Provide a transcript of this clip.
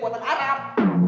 buat kasih napas buatan